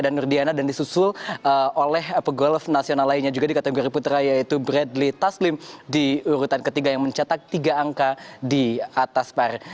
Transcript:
dan disusul oleh pegolof nasional lainnya juga di kategori putra yaitu bradley taslim di urutan ketiga yang mencatat tiga angka di atas par